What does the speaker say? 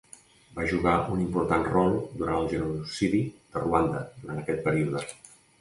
Va jugar un important rol durant el Genocidi de Ruanda durant aquest període.